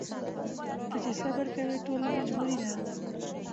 ته چي صبر کوې ټوله مجبوري ده